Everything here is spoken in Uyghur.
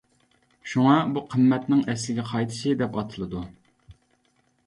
شۇڭا بۇ قىممەتنىڭ ئەسلىگە قايتىشى دەپ ئاتىلىدۇ.